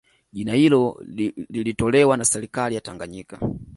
Jina hilo lilitolewa na serikali ya Tanganyika